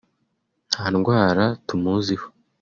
nta ndwara tumuziho"